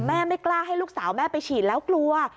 ไม่กล้าให้ลูกสาวแม่ไปฉีดแล้วกลัว